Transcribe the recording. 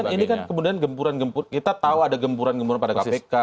ini kan kemudian gempuran gempur kita tahu ada gempuran gempuran pada kpk